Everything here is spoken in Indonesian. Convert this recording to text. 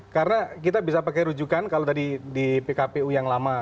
karena kita bisa pakai rujukan kalau tadi di pkpu yang lama